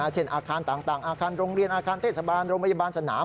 เช่นอาคารต่างอาคารโรงเรียนอาคารเทศบาลโรงพยาบาลสนาม